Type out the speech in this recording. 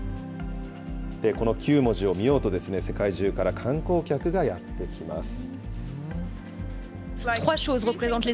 この９文字を見ようとですね、世界中から観光客がやって来ます。